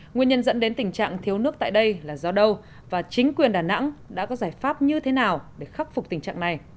nguyên nhân dẫn đến tình trạng thiếu nước tại đây là do đâu và chính quyền đà nẵng đã có giải pháp như thế nào để khắc phục tình trạng này